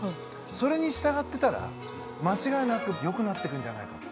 それに従ってたら間違いなくよくなってくんじゃないかって。